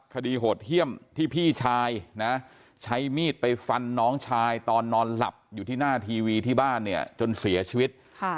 โหดเยี่ยมที่พี่ชายนะใช้มีดไปฟันน้องชายตอนนอนหลับอยู่ที่หน้าทีวีที่บ้านเนี่ยจนเสียชีวิต